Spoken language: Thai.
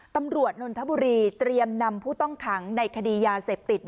นนทบุรีเตรียมนำผู้ต้องขังในคดียาเสพติด